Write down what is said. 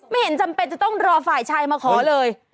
ไม่เห็นจำเป็นจะต้องรอฝ่ายชายมาขอเลย